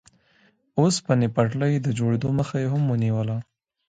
اوسپنې پټلۍ د جوړېدو مخه یې هم نیوله.